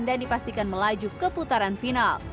dan dipastikan melaju ke putaran final